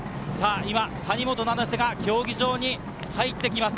今、谷本七星が競技場に入っていきます。